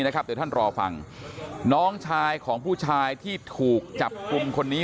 เดี๋ยวท่านรอฟังน้องชายของผู้ชายที่ถูกจับกลุ่มคนนี้